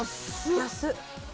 安っ。